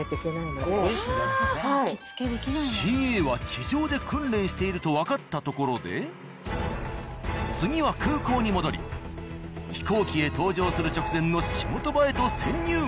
ＣＡは地上で訓練しているとわかったところで次は空港に戻り飛行機へ搭乗する直前の仕事場へと潜入。